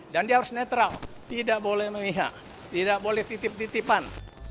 dan dia harus netral tidak boleh memihak tidak boleh titip titipan